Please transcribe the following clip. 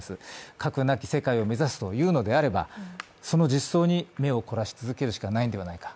核なき世界を目指すというのであればその実相に目を凝らすしかないのではないか。